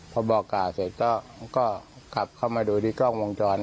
พอบอกกล่าวเสร็จก็ขับเข้ามาดูที่กล้องวงจร